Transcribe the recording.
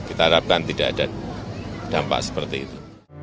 kita harapkan tidak ada dampak seperti itu